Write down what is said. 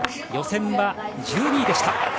予選は１２位でした。